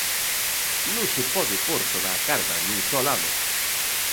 Non se pode pór toda a carga nun só lado.